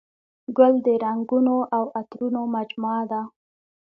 ګل د رنګونو او عطرونو مجموعه ده.